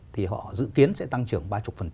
thì họ dự kiến sẽ tăng trưởng